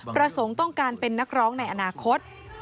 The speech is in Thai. ประสงค์ต้องการเป็นนักร้องในอนาคต